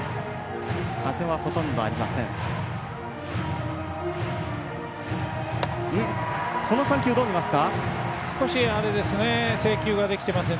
風はほとんどありません。